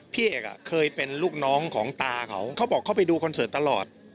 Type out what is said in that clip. พี่เอกเคยเป็นลูกน้องของตาเขาเขาบอกเขาไปดูคอนเสิร์ตตลอด